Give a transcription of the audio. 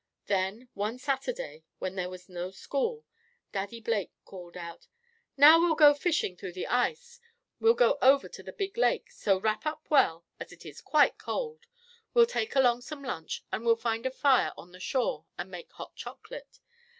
Then, one Saturday, when there was no school, Daddy Blake called out: "Now we'll go fishing through the ice. We'll go over to the big lake, so wrap up well, as it is quite cold. We'll take along some lunch, and we'll build a fire on the shore and make hot chocolate."